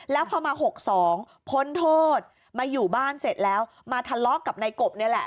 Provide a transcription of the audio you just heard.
แล้วพอมา๖๒พ้นโทษมาอยู่บ้านเสร็จแล้วมาทะเลาะกับนายกบนี่แหละ